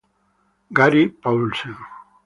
Gary Paulsen